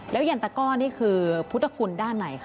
แล้วยันตะก้อนี่คือพุทธคุณด้านไหนคะ